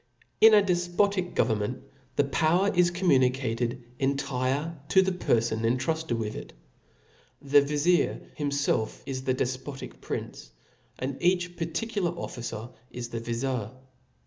TN a defpotic government the power is cbmfnu* •■• nicated entire to the perfon intruded with it. The vizir himfclf is the defpotic prince; and each particular officer is the vizir.